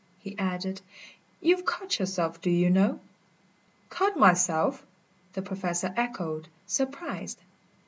He added: "You've cut yourself, do you know?" "Cut myself?" the Professor echoed, surprised.